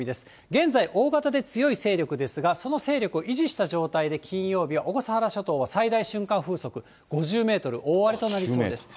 現在、大型で強い勢力ですが、その勢力を維持した状態で金曜日は小笠原諸島を最大瞬間風速５０メートル、大荒れとなりそうです。